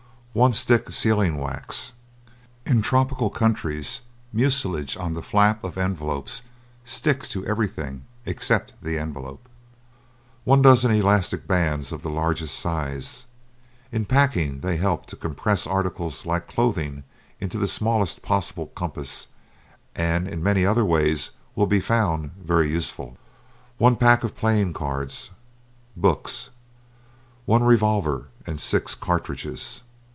One stick sealing wax. In tropical countries mucilage on the flap of envelopes sticks to everything except the envelope. One dozen elastic bands of the largest size. In packing they help to compress articles like clothing into the smallest possible compass and in many other ways will be found very useful. One pack of playing cards. Books. One revolver and six cartridges.